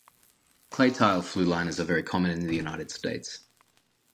Clay tile flue liners are very common in the United States.